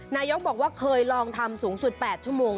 นายกบอกว่าเคยลองทำสูงสุด๘ชั่วโมง